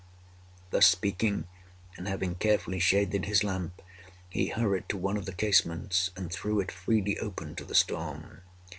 Thus speaking, and having carefully shaded his lamp, he hurried to one of the casements, and threw it freely open to the storm.